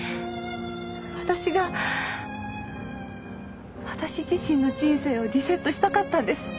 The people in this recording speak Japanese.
私が私自身の人生をリセットしたかったんです。